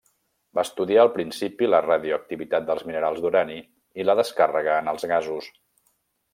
Va estudiar al principi la radioactivitat dels minerals d'urani i la descàrrega en els gasos.